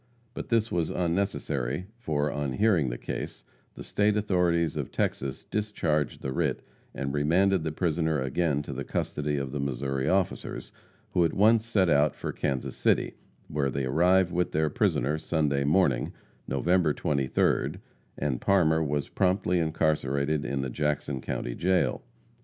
But this was unnecessary, for, on hearing the case, the state authorities of Texas discharged the writ, and remanded the prisoner again to the custody of the Missouri officers, who at once set out for Kansas City, where they arrived with their prisoner Sunday morning, November 23d, and Parmer was promptly incarcerated in the Jackson county jail.